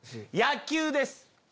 野球です。